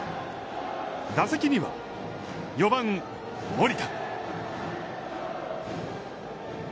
打席には４番森田。